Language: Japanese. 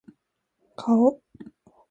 顔